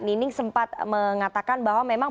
nining sempat mengatakan bahwa memang